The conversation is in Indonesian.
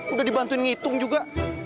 udah dibantuin ngitung juga